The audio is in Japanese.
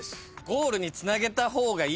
ゴールにつなげた方がいい。